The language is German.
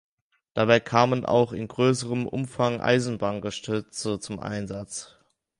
Dabei kamen auch in größerem Umfang Eisenbahngeschütze zum Einsatz.